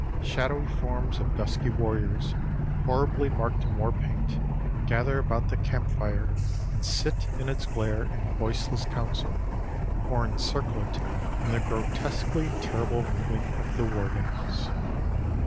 Shadowy forms of dusky warriors, horribly marked in war paint, gather about the camp fire and sit in its glare in voiceless council, or encircle it in the grotesquely terrible movement of the war dance.